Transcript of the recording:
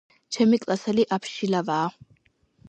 ჩემი კლასელი აბშილავაა